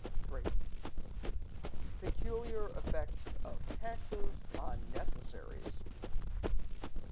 § 3. Peculiar effects of taxes on Necessaries.